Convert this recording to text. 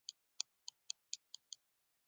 سپین ږیری د ژوند تجربې موږ ته درس راکوي